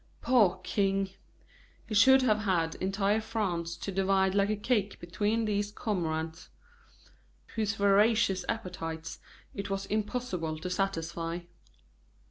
Poor king! He should have had entire France to divide like a cake between these cormorants, whose voracious appetites it was impossible to satisfy.